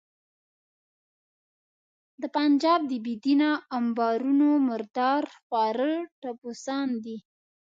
د پنجاب د بې دینه امبارونو مردار خواره ټپوسان دي.